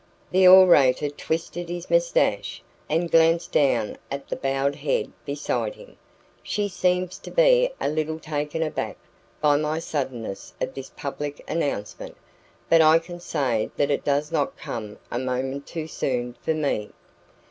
The orator twisted his moustache, and glanced down at the bowed head beside him. "She seems to be a little taken aback by the suddenness of this public announcement, but I can say that it does not come a moment too soon for me.